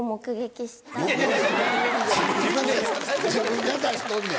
自分で自分で出しとんねん。